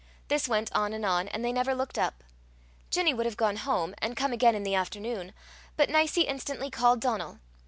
This went on and on, and they never looked up. Ginny would have gone home, and come again in the afternoon, but Nicie instantly called Donal.